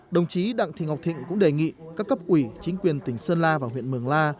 đồng chí đặng thị ngọc thịnh cũng đề nghị các cấp ủy chính quyền tỉnh sơn la và huyện mường la